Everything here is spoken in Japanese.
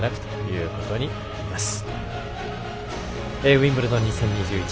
ウィンブルドン２０２１